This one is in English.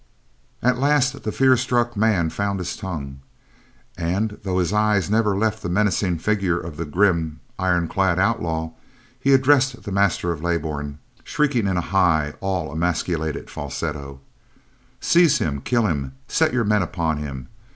At last the fear struck man found his tongue, and, though his eyes never left the menacing figure of the grim, iron clad outlaw, he addressed the master of Leybourn; shrieking in a high, awe emasculated falsetto: "Seize him! Kill him! Set your men upon him!